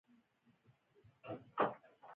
د عضلاتو د روغتیا لپاره باید څه شی وخورم؟